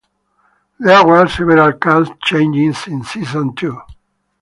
There were several cast changes in season two.